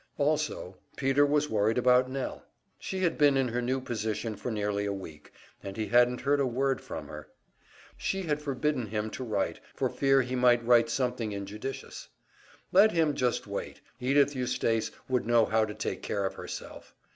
Also Peter was worried about Nell. She had been in her new position for nearly a week, and he hadn't heard a word from her. She had forbidden him to write, for fear he might write something injudicious. Let him just wait, Edythe Eustace would know how to take care of herself.